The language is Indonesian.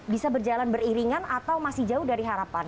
bisa berjalan beriringan atau masih jauh dari harapan